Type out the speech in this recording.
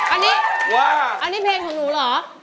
อันนี้ว่าอันนี้เพลงของหนูเหรอ